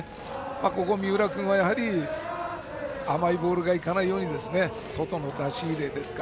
ここ、三浦君は甘いボールが行かないように外の出し入れですか。